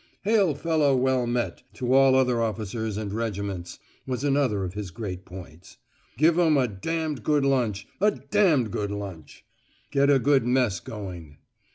"'Hail fellow well met' to all other officers and regiments" was another of his great points. "Give 'em a d d good lunch a d d good lunch." "Get a good mess going."